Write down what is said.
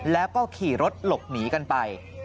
แล้วก็ขี่รถหลบหนีกันไป